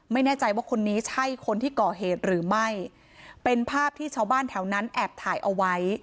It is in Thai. ไม่แน่ใจว่าคนนี้ใช่คนที่ก่อเหตุหรือไม่เป็นภาพที่ชาวบ้านแถวนั้นแอบถ่ายเอาไว้